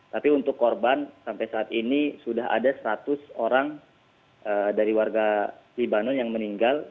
tapi untuk korban sampai saat ini sudah ada seratus orang dari warga libanon yang meninggal